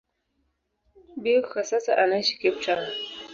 Beukes kwa sasa anaishi Cape Town.